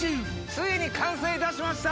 ついに完成いたしました！